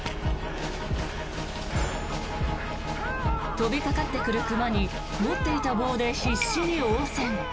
飛びかかってくる熊に持っていた棒で必死に応戦。